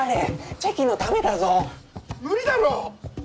無理だろ！